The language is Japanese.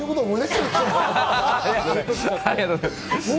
ありがとうございます。